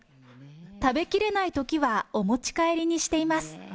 食べきれないときは、お持ち帰りにしています！